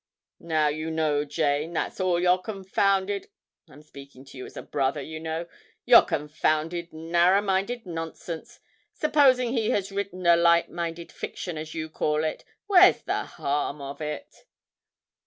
'Now you know, Jane, that's all your confounded I'm speaking to you as a brother, you know your confounded narrer minded nonsense! Supposing he has written a "light minded fiction," as you call it, where's the harm of it?'